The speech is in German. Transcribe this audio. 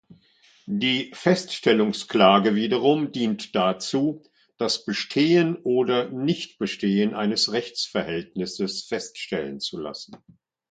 Die Feststellungsklage wiederum dient dazu, das Bestehen oder Nichtbestehen eines Rechtsverhältnisses feststellen zu lassen.